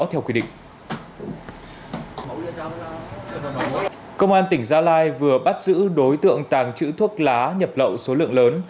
công an tỉnh gia lai vừa bắt giữ đối tượng tàng trữ thuốc lá nhập lậu số lượng lớn